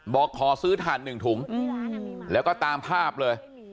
บอกขอซื้อถ่าน๑ถุงแล้วก็ตามภาพเลย